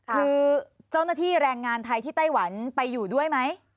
คือเจ้าหน้าที่แรงงานไทยที่ไต้หวันไปอยู่ด้วยไหม